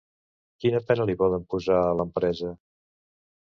Quina pena li poden posar a l'empresa?